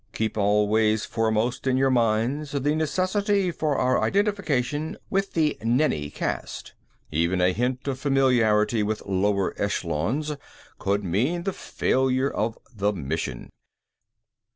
"Keep always foremost in your minds the necessity for our identification with the Nenni Caste. Even a hint of familiarity with lower echelons could mean the failure of the mission.